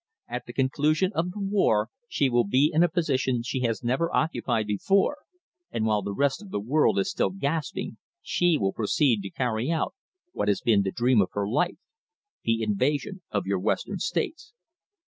At the conclusion of the war she will be in a position she has never occupied before, and while the rest of the world is still gasping, she will proceed to carry out what has been the dream of her life the invasion of your Western States."